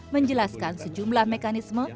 menjelaskan sejumlah mekanisme